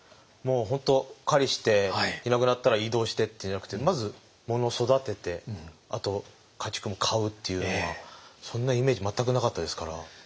もう本当狩りしていなくなったら移動してっていうんじゃなくてまずもの育ててあと家畜も飼うっていうのはそんなイメージ全くなかったですから。